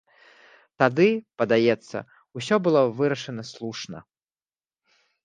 Тады, падаецца, усё было вырашана слушна.